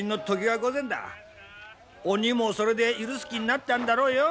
鬼もそれで許す気になったんだろうよ。